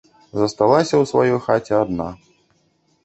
Засталася ў сваёй хаце адна.